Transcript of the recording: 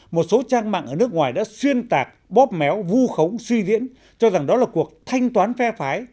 một số trang mạng ở nước ngoài đã xuyên tạc bóp méo vu khống suy diễn cho rằng đó là cuộc thanh toán phe phái